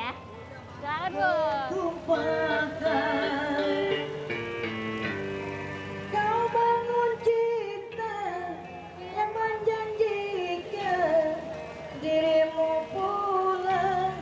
kau bangun cinta yang menjanjikan dirimu pulang